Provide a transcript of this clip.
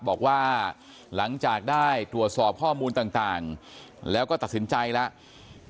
บอกว่าหลังจากได้ตรวจสอบข้อมูลต่างแล้วก็ตัดสินใจแล้ว